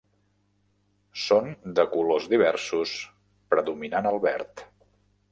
Són de colors diversos predominant el verd.